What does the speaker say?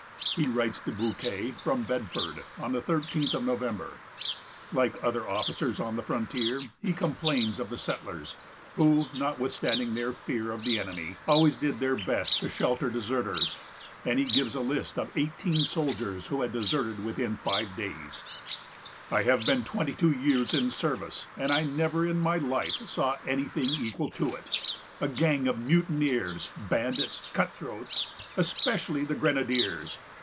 He writes to Bouquet from Bedford, on the thirteenth of November. Like other officers on the frontier, he complains of the settlers, who, notwithstanding their fear of the enemy, always did their best to shelter deserters; and he gives a list of eighteen soldiers who had deserted within five days: "I have been twenty two years in service, and I never in my life saw any thing equal to it,——a gang of mutineers, bandits, cut throats, especially the grenadiers.